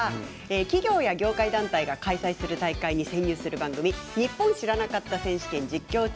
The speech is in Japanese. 企業や業界団体が開設大会に潜入する番組「ニッポン知らなかった選手権実況中！」